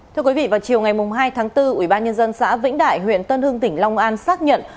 thưa quý vị vào chiều ngày hai tháng bốn ubnd xã vĩnh đại huyện tân hưng tỉnh long an xác nhận